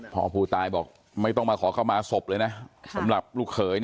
พ่อผู้ตายบอกไม่ต้องมาขอเข้ามาศพเลยนะสำหรับลูกเขย